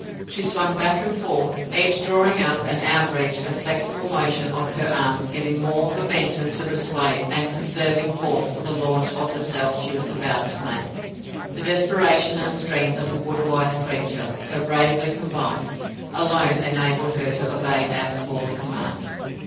She swung back and forth, each drawing up and outreach and flexible motion of her arms giving more momentum to the sway and conserving force for the launch of herself she was about to make. The desperation and strength of a wood wise creature, so bravely combined, alone enabled her to obey Ab's hoarse command.